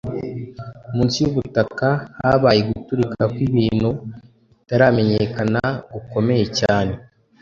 munsi y’ubutaka habaye guturika kw’ibintu bitaramenyekana gukomeye cyane